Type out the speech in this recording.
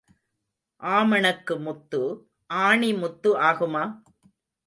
ஆமணக்கு முத்து ஆணி முத்து ஆகுமா?